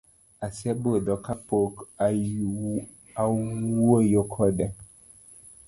Asebudho kapok awuoyo kode